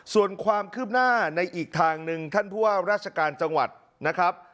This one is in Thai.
ส่วนความคืบหน้าในอีกทางหนึ่งท่านผู้ว่าราชการจังหวัดนะครับ